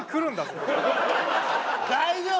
大丈夫？